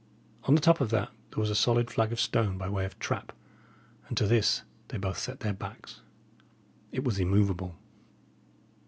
On the top of that there was a solid flag of stone by way of trap, and to this they both set their backs. It was immovable.